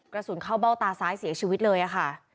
กระสุนเข้าเบ้าตาซ้ายเสียชีวิตเลยค่ะ